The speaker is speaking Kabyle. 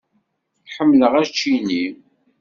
Ḥemmleɣ ačini.